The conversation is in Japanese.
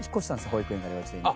保育園から幼稚園に。